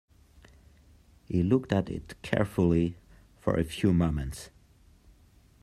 He looked at it carefully for a few moments.